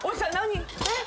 えっ？